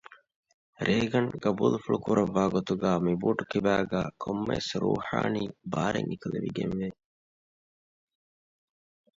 ރޭގަން ޤަބޫލު ފުޅު ކުރައްވާ ގޮތުގައި މި ބޫޓު ކިބައިގައި ކޮންމެވެސް ރޫޙާނީ ބާރެއް އެކުލެވިގެން ވެ